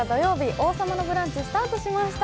「王様のブランチ」スタートしました。